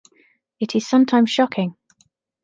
It is sometimes shocking.